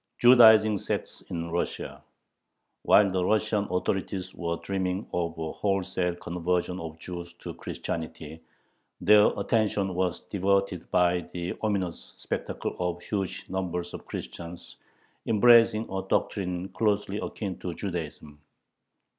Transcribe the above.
"JUDAIZING" SECTS IN RUSSIA While the Russian authorities were dreaming of a wholesale conversion of Jews to Christianity, their attention was diverted by the ominous spectacle of huge numbers of Christians embracing a doctrine closely akin to Judaism.